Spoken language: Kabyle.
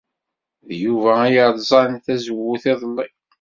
D Yuba ay yerẓan tazewwut iḍelli.